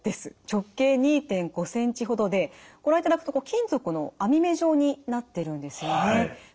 直径２．５センチほどでご覧いただくと金属の網目状になってるんですよね。